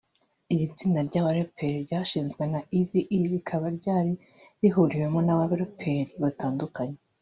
Iri tsinda ry’abaraperi ryashinzwe na Eazy-E rikaba ryari rihuriwemo n’abaraperi batandukanye